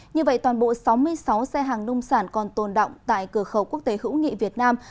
như vậy toàn bộ sáu mươi sáu xe hàng nông sản còn tồn động tại cửa khẩu quốc tế hữu nghị việt nam